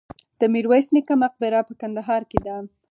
د میرویس نیکه مقبره په کندهار کې ده